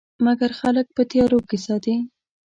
مګر خلک په تیارو کې ساتي.